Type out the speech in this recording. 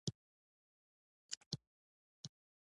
زما سلګۍ نه درېدې، ګرېوان مې به اوښکو لوند کړ.